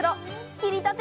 切りたて！